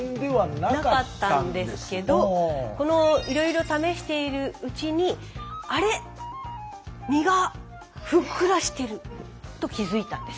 なかったんですけどこのいろいろ試しているうちに「あれ？身がふっくらしてる」と気付いたんです。